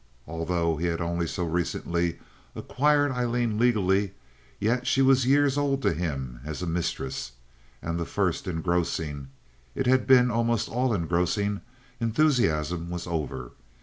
Although he had only so recently acquired Aileen legally, yet she was years old to him as a mistress, and the first engrossing—it had been almost all engrossing—enthusiasm was over.